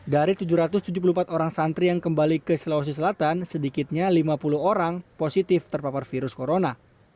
dari tujuh ratus tujuh puluh empat orang santri yang kembali ke sulawesi selatan sedikitnya lima puluh orang positif terpapar virus corona